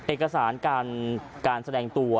เอกสารการแสดงตัว